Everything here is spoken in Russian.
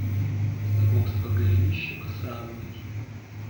Знакомство Голенищева с Анной.